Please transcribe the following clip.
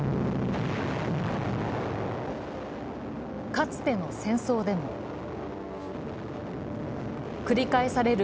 かつての戦争でも繰り返される